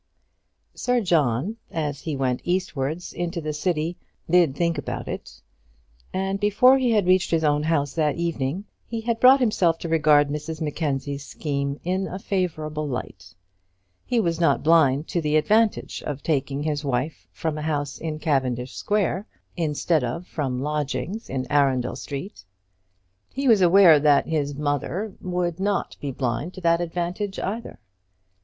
Sir John, as he went eastwards into the city, did think about it; and before he had reached his own house that evening, he had brought himself to regard Mrs Mackenzie's scheme in a favourable light. He was not blind to the advantage of taking his wife from a house in Cavendish Square, instead of from lodgings in Arundel Street; and he was aware that his mother would not be blind to that advantage either.